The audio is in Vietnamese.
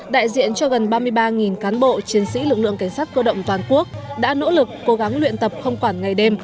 đại diện cho gần ba mươi ba cán bộ chiến sĩ lực lượng cảnh sát cơ động toàn quốc đã nỗ lực cố gắng luyện tập không quản ngày đêm